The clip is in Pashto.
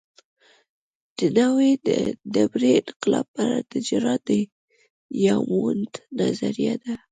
د نوې ډبرې انقلاب په اړه د جراډ ډیامونډ نظریه ده